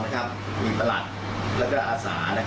มีประหลัดและอาสา